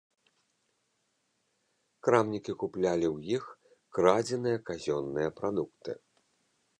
Крамнікі куплялі ў іх крадзеныя казённыя прадукты.